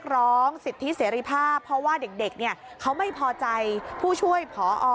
ร้องสิทธิเสรีภาพเพราะว่าเด็กเขาไม่พอใจผู้ช่วยพอ